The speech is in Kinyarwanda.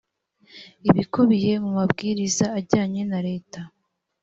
ibikubiye mu mabwiriza ajyanye na leta